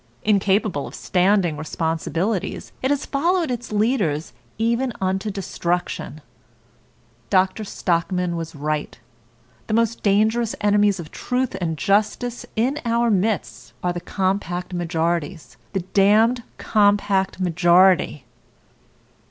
Incapable of standing responsibilities, it has followed its leaders even unto destruction. Dr. Stockman was right: "The most dangerous enemies of truth and justice in our midst are the compact majorities, the damned compact majority."